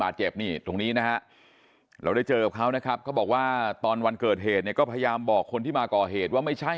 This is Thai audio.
เด็กไอ้ไม่ทำร้ายอะไรไม่ทุกข์ตีอะไร